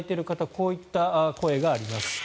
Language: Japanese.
こういった声があります。